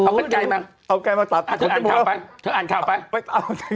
ถ้าเก็บใจมาเติบใจท้าคนบ้าน